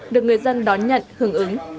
được người dân đón nhận hưởng ứng